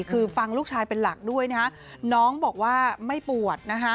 คือฟังลูกชายเป็นหลักด้วยนะฮะน้องบอกว่าไม่ปวดนะฮะ